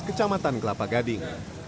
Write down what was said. kecamatan kelapa gading